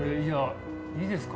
いいですか？